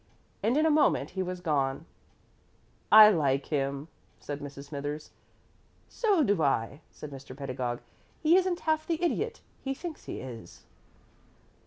And in a moment he was gone. "I like him," said Mrs. Smithers. "So do I," said Mr. Pedagog. "He isn't half the idiot he thinks he is."